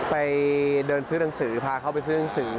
ไปเดินซื้อหนังสือพาเขาไปซื้อหนังสือ